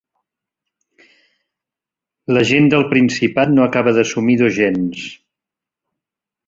La gent del principat no acaba d'assumir dos gens.